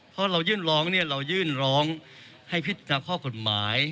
เพราะเรายื่นร้องเนี่ยเรายื่นร้องให้พิจารณาข้อกฎหมาย